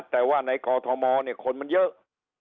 แต่ว่าในกทมคนมันเยอะ